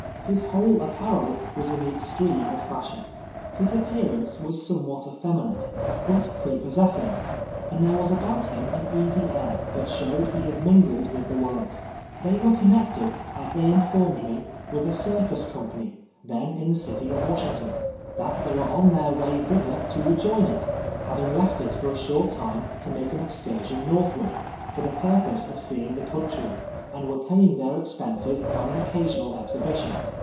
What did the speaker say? His whole apparel was in the extreme of fashion. His appearance Avas somewhat efteminate, but prepossess ing, and there was about him an easy air, that showed he had mingled with the world. They were connect ed, as they informed me, with a circus company, then in the city of "Washington ; that they were on their 30 TWELVE YEARS A SLAVE. M'ay thither to rejoin it, having left it for a short time to make an excursion northward, for tlie purpose of seeing the country, and were paying their expenses hy an occasional exhi])ition.